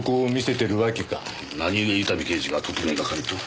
なにゆえ伊丹刑事が特命係と？